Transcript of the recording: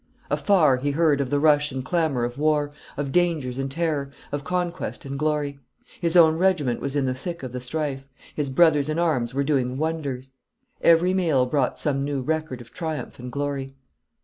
Afar, he heard of the rush and clamour of war, of dangers and terror, of conquest and glory. His own regiment was in the thick of the strife, his brothers in arms were doing wonders. Every mail brought some new record of triumph and glory.